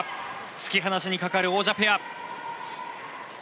突き放しにかかる王者ペア。